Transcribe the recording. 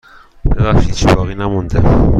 ببخشید هیچی باقی نمانده.